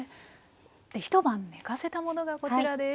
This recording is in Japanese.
一晩ねかせたものがこちらです。